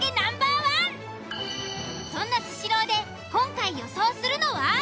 そんな「スシロー」で今回予想するのは？